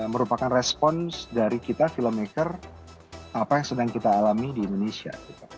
merupakan respons dari kita filmmaker apa yang sedang kita alami di indonesia